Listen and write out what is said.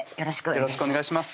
よろしくお願いします